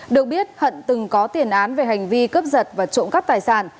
được biết hận từng có tiền án về hành vi cướp giật và trộm cắp tài sản